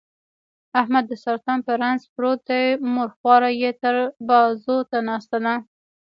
احمد د سرطان په رنځ پروت دی، مور خواره یې تل بازوته ناسته ده.